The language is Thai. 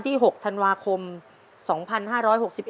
จิตตะสังวโรครับ